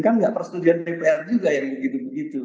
kan nggak persetujuan dpr juga yang begitu begitu